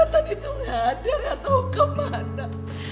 tante itu gak ada gak tau kemana